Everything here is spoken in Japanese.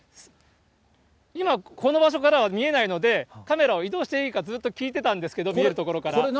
今、この場所からは見えないので、カメラを移動していいかずっと聞いてたんですけど、見える所から。